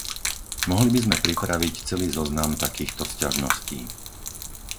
Mohli by sme pripraviť celý zoznam takýchto sťažností.